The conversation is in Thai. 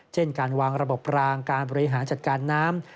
เช่นการวางระบบรางการบริหารจัดการน้ำ